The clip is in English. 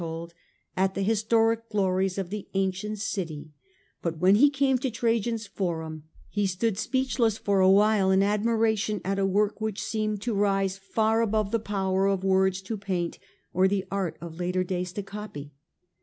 He gazed with wonder, we are told, at the historic glories of the ancient city, but when he came to Trajan's forum he stood speech less for awhile with admiration at a work which seemed to rise far above the power of words to paint or the art of later days to copy.